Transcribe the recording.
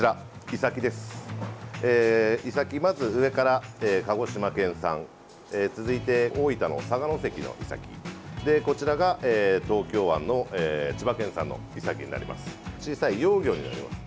イサキ、まず上から鹿児島県産続いて、大分の佐賀関のイサキこちらが東京湾の千葉県産のイサキになります。